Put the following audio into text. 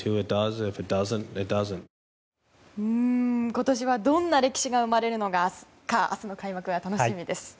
今年はどんな歴史が生まれるのか明日の開幕が楽しみです。